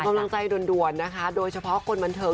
ทอมกำลังใจด่วนโดยเฉพาะคนบันทึง